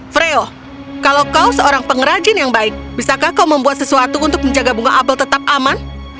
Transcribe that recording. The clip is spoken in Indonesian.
freo kalau kau seorang pengrajin yang baik bisakah kau membuat sesuatu untuk menjaga bunga apel tetap aman